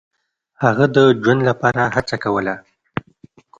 هغه د ژوند لپاره هڅه کوله.